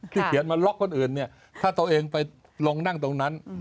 ที่เขียนมาล๊อคคนอื่นถ้าตัวเองไปลงนั่งตรงนั้น